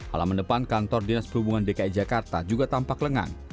alam mendepan kantor dinas perhubungan dki jakarta juga tampak lengan